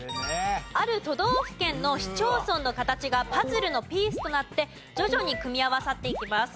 ある都道府県の市町村の形がパズルのピースとなって徐々に組み合わさっていきます。